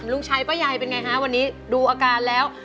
ลุงชัยป้ายายเป็นไงฮะวันนี้ดูอาการแล้ว